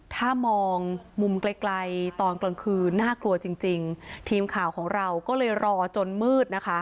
ถ้ามองมุมไกลไกลตอนกลางคืนน่ากลัวจริงจริงทีมข่าวของเราก็เลยรอจนมืดนะคะ